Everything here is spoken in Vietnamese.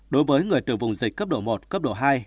đối với người từ vùng dịch cấp độ một cấp độ hai